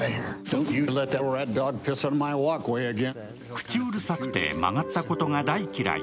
口うるさくて曲がったことが大嫌い。